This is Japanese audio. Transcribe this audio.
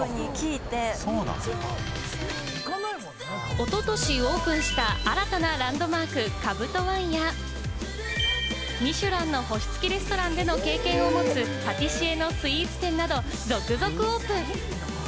おととしオープンした新たなランドマーク・ＫＡＢＵＴＯＯＮＥや、ミシュランの星付きレストランでの経験を持つ、パティシエのスイーツ店など、続々オープン。